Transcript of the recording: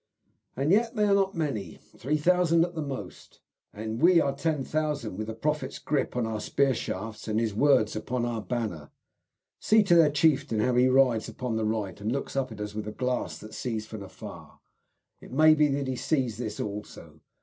"And yet they are not many 3,000 at the most." "And we 10,000, with the Prophet's grip upon our spear hafts and his words upon our banner. See to their chieftain, how he rides upon the right and looks up at us with the glass that sees from afar! It may be that he sees this also."